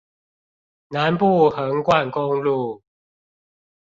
南部橫貫公路